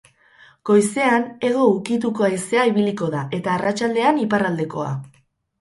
Goizean hego ukituko haizea ibiliko da eta arratsaldean iparraldekoa.